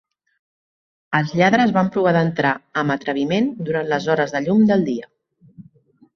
Els lladres van provar d'entrar amb atreviment durant les hores de llum del dia.